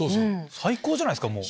最高じゃないっすか。